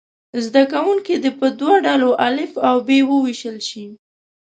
زده کوونکي دې په دوه ډلو الف او ب وویشل شي.